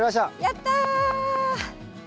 やった！